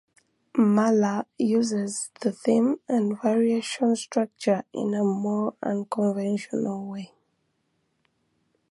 Mahler uses the theme and variation structure in a more unconventional way.